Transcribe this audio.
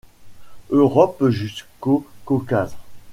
Europe jusqu'au Caucase.